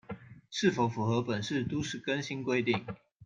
是否符合本市都市更新規定